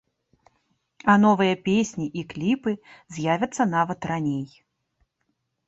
А новыя песні і кліпы з'явяцца нават раней.